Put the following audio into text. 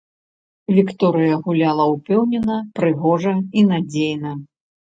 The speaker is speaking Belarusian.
Вікторыя гуляла ўпэўнена, прыгожа і надзейна.